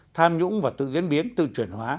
tham nhũng và tự diễn biến tự truyền hóa